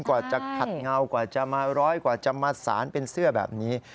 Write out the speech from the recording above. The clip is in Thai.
กว่าจะขัดเงากว่าจะมาร้อยกว่าจะมาสารเป็นเสื้อแบบนี้